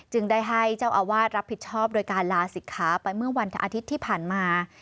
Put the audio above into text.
ได้ให้เจ้าอาวาสรับผิดชอบโดยการลาศิกขาไปเมื่อวันอาทิตย์ที่ผ่านมา